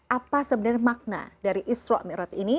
apa sebenarnya makna dari isra' mi'raj ini